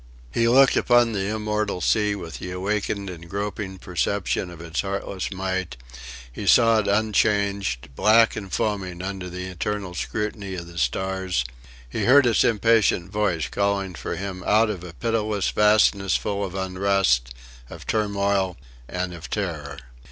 He looked upon the immortal sea with the awakened and groping perception of its heartless might; he saw it unchanged, black and foaming under the eternal scrutiny of the stars; he heard its impatient voice calling for him out of a pitiless vastness full of unrest, of turmoil, and of terror.